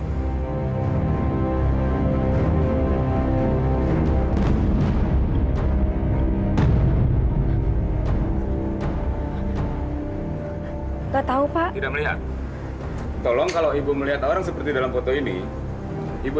tidak tahu pak tidak melihat tolong kalau ibu melihat orang seperti dalam foto ini ibu